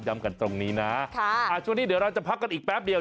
กันตรงนี้นะช่วงนี้เดี๋ยวเราจะพักกันอีกแป๊บเดียว